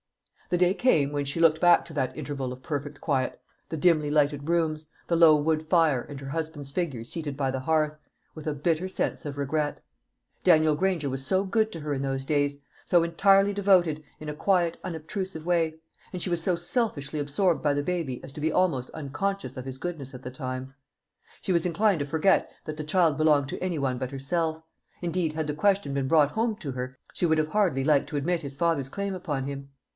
The day came when she looked back to that interval of perfect quiet the dimly lighted rooms, the low wood fire, and her husband's figure seated by the hearth with a bitter sense of regret. Daniel Granger was so good to her in those days so entirely devoted, in a quiet unobtrusive way and she was so selfishly absorbed by the baby as to be almost unconscious of his goodness at the time. She was inclined to forget that the child belonged to any one but herself; indeed, had the question been brought home to her, she would have hardly liked to admit his father's claim upon him.